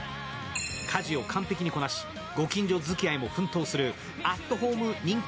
家事を完璧にこなし、ご近所づきあいにも奮闘するアットホーム仁